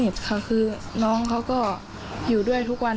ค่ะคือน้องเขาก็อยู่ด้วยทุกวัน